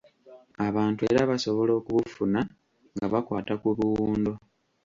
Abantu era basobola okubufuna nga bakwata ku buwundo.